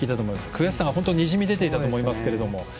悔しさが本当ににじみ出ていたと思いますけれども。